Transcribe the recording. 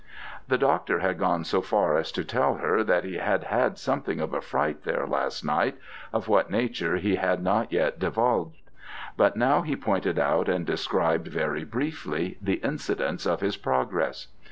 The Doctor had gone so far as to tell her that he had had something of a fright there last night, of what nature he had not yet divulged; but now he pointed out and described, very briefly, the incidents of his progress.